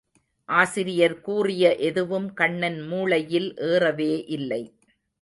ஆசிரியர் கூறிய எதுவும் கண்ணன் மூளையில் ஏறவே இல்லை.